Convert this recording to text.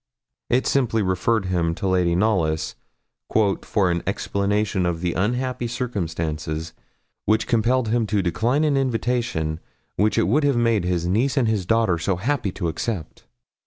It simply referred him to Lady Knollys 'for an explanation of the unhappy circumstances which compelled him to decline an invitation which it would have made his niece and his daughter so happy to accept.'